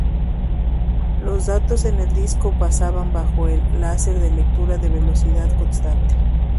Los datos en el disco pasaban bajo el láser de lectura a velocidad constante.